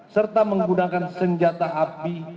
serta menggunakan senjata api